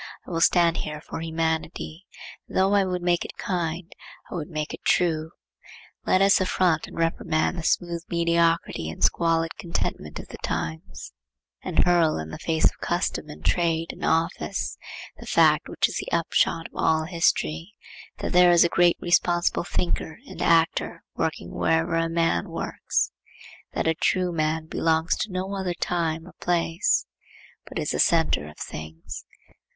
I will stand here for humanity, and though I would make it kind, I would make it true. Let us affront and reprimand the smooth mediocrity and squalid contentment of the times, and hurl in the face of custom and trade and office, the fact which is the upshot of all history, that there is a great responsible Thinker and Actor working wherever a man works; that a true man belongs to no other time or place, but is the centre of things.